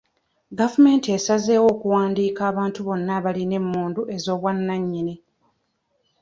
Gavumenti esazeewo okuwandiika abantu bonna abalina emmundu ez'obwannannyini.